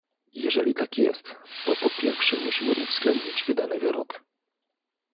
Jeżeli tak jest, to po pierwsze musimy uwzględnić wydany wyrok